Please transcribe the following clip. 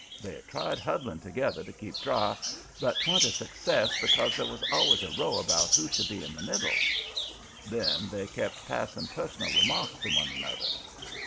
They tried huddling together to keep dry, but 'twa'n't a success because there was always a row about who should be in the middle. Then they kept passing personal remarks to one another.